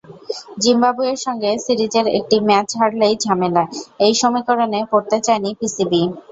জিম্বাবুয়ের সঙ্গে সিরিজের একটি ম্যাচ হারলেই ঝামেলা—এই সমীকরণে পড়তে চায়নি পিসিবি।